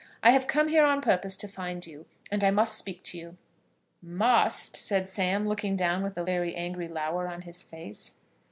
"I have come here on purpose to find you, and I must speak to you." "Must!" said Sam, looking down with a very angry lower on his face.